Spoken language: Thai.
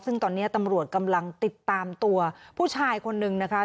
ซึ่งตอนนี้ตำรวจกำลังติดตามตัวผู้ชายคนนึงนะคะ